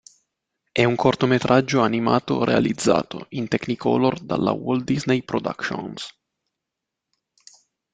È un cortometraggio animato realizzato, in Technicolor, dalla Walt Disney Productions.